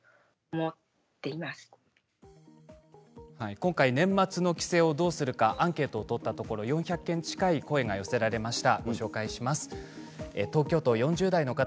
今回、年末の帰省をどうするかアンケートを取ったところ、４００件近い声が寄せられました。